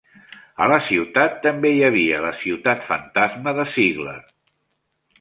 A la ciutat també hi havia la ciutat fantasma de Ziegler.